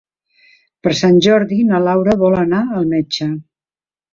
Per Sant Jordi na Laura vol anar al metge.